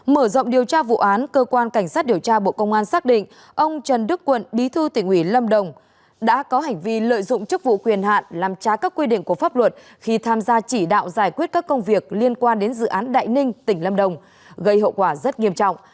mở rộng điều tra vụ án cơ quan cảnh sát điều tra bộ công an xác định ông trần đức quận bí thư tỉnh ủy lâm đồng đã có hành vi lợi dụng chức vụ quyền hạn làm trá các quy định của pháp luật khi tham gia chỉ đạo giải quyết các công việc liên quan đến dự án đại ninh tỉnh lâm đồng gây hậu quả rất nghiêm trọng